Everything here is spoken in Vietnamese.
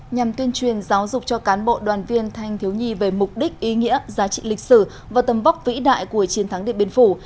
nhằm tuyên truyền giáo dục cho cán bộ đoàn viên thanh thiếu nhi về mục đích ý nghĩa giá trị lịch sử và tầm vóc vĩ đại của chiến thắng điện biên phủ